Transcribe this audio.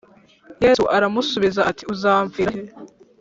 Yesu aramusubiza ati Uzampfira he